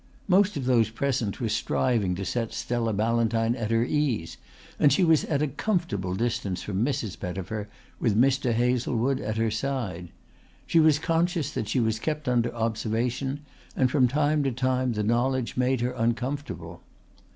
Most of those present were striving to set Stella Ballantyne at her ease, and she was at a comfortable distance from Mrs. Pettifer, with Mr. Hazlewood at her side. She was conscious that she was kept under observation and from time to time the knowledge made her uncomfortable.